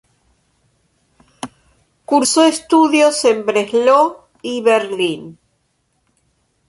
Cursó estudios en Breslau y Berlín.